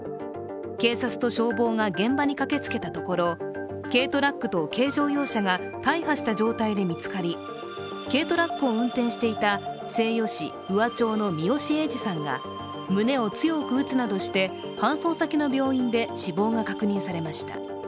警察と消防が現場に駆けつけたところ、軽トラックと軽乗用車が大破した状態で見つかり軽トラックを運転していた西予市宇和町の三好栄次さんが胸を強く打つなどして搬送先の病院で死亡が確認されました。